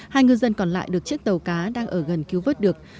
hai ngư dân còn lại được chiếc tàu cá đang ở gần cứu vớt được